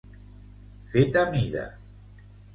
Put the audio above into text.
Fet a mida.